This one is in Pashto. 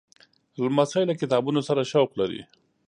لمسی له کتابونو سره شوق لري.